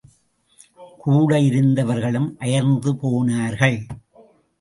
கூட இருந்தவர்களும் அயர்ந்து போனார்கள்!